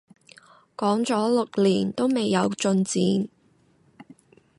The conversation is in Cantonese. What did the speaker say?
講咗六年都未有進展